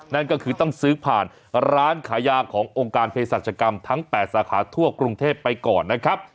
นั่นก็คือต้องซื้อผ่านร้านขายาขององค์การเพศรัชกรรมทั้ง๘สาขาทั่วกรุงเทพไปก่อนนะครับ